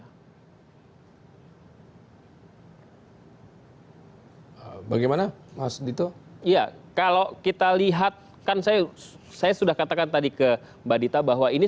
hai bagaimana mas dito iya kalau kita lihat kan saya saya sudah katakan tadi ke badita bahwa ini